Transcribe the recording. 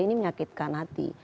ini menyakitkan hati